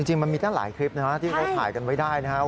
จริงมันมีตั้งหลายคลิปนะที่เขาถ่ายกันไว้ได้นะครับ